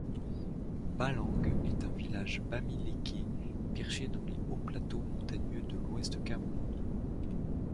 Baleng est un village Bamiléké perché dans les hauts plateaux montagneux de l’Ouest Cameroun.